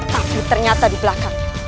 tapi ternyata di belakang